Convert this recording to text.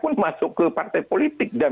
pun masuk ke partai politik dan